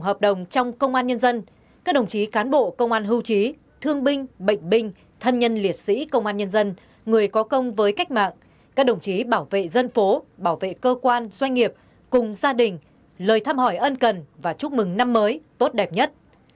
hợp đồng trong công an nhân dân các đồng chí cán bộ công an hưu trí thương binh bệnh binh thân nhân liệt sĩ công an nhân dân người có công với cách mạng các đồng chí bảo vệ dân phố bảo vệ cơ quan doanh nghiệp cùng gia đình lời thăm hỏi ân cần và chúc mừng năm mới tốt đẹp nhất